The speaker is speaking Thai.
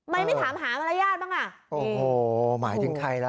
ไม่ถามหามารยาทบ้างอ่ะโอ้โหหมายถึงใครล่ะ